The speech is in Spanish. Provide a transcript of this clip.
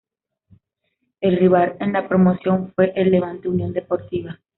El rival en la promoción fue el Levante Unión Deportiva.